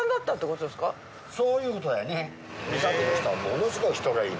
そういうことだよね。